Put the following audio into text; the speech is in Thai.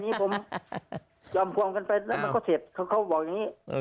ที่สุเทพก็บอกผมว่าไม่ต้องไป